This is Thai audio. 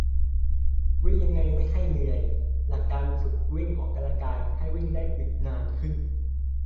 วิ่งยังไงไม่ให้เหนื่อย หลักการฝึกวิ่งออกกำลังกาย ให้วิ่งได้อึดนานขึ้น